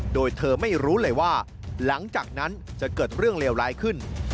โดยเธอไม่รู้เลยว่าหลังจากนั้นจะเกิดเรื่องเลวร้ายขึ้น